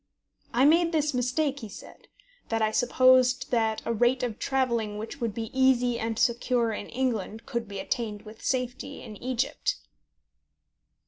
I made this mistake, he said, that I supposed that a rate of travelling which would be easy and secure in England could be attained with safety in Egypt.